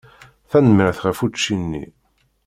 Tanemmirt ɣef učči-nni.